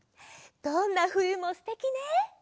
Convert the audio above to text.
どんなふゆもすてきね！